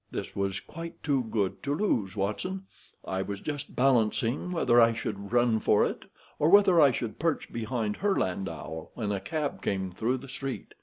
"This was quite too good to lose, Watson. I was just balancing whether I should run for it, or whether I should perch behind her landau, when a cab came through the street.